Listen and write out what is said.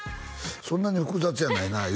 「そんなに複雑やないなあ」